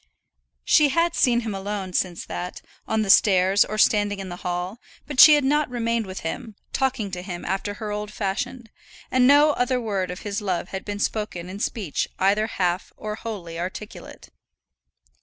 She had seen him alone since that, on the stairs, or standing in the hall, but she had not remained with him, talking to him after her old fashion, and no further word of his love had been spoken in speech either half or wholly articulate.